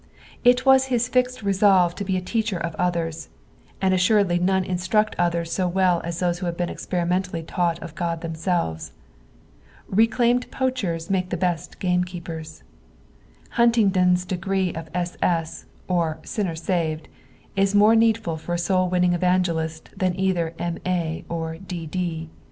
It was his fixed resolve to be a teacher of others ; and assuredly none instrust others so well as those who have been experimentally taught of God themselves. Reclaimed ponchers make the best gamekeepers, Huntingdon's degree of B.8., or Sinner Baved, is mote needful for a soul winning evangelist than either Sf.A. or D.D.